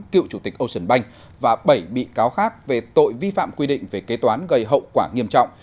cựu chủ tịch ocean bank và bảy bị cáo khác về tội vi phạm quy định về kế toán gây hậu quả nghiêm trọng